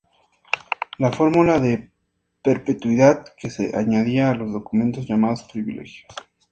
La fórmula de perpetuidad que se añadía a los documentos llamados privilegios.